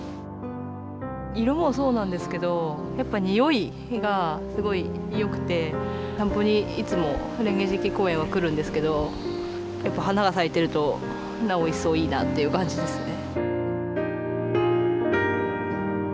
色もそうなんですけどやっぱ、においがすごいよくて散歩にいつも蓮華池公園は来るんですけれど花が咲いていると、なおいっそういいなという感じですね。